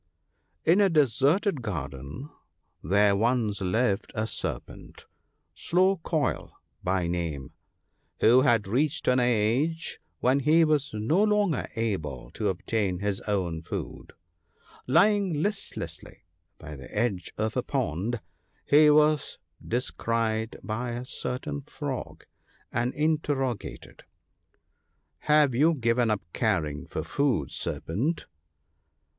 5N a deserted garden there once lived a Ser 1 pent, " Slow coil " by name ; who had reached I an age when he was no longer able to obtain his own food. Lying listlessly by the edge of a pond, he was descried by a certain Frog, and interrogated, —" Have you given up caring for food, Serpent